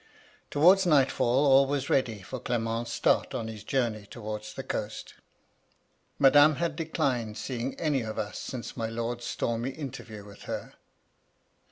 Towards nightfall all was ready for Clement's start on his journey towards the coast " Madame had declined seeing any of us since my lord's stormy interview with her.